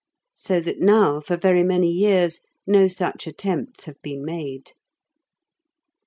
So that now for very many years no such attempts have been made.